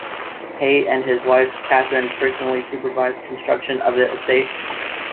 Hay and his wife Katherine personally supervised construction of the estate.